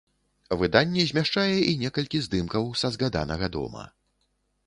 Выданне змяшчае і некалькі здымкаў са згаданага дома.